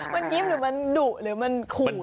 มันยิ้มหรือมันดุหรือคู